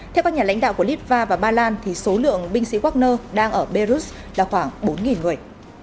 theo các nhà lãnh đạo của litva và ba lan số lượng binh sĩ wagner đang ở belarus là khoảng bốn người